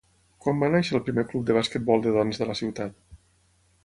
Quan va néixer el primer club de basquetbol de dones de la ciutat?